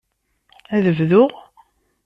Ad bduɣ?